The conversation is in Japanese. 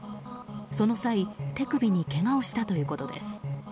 その際、手首にけがをしたということです。